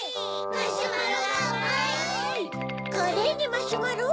カレーにマシュマロ？